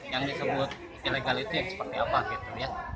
yang disebut ilegal itu seperti apa gitu ya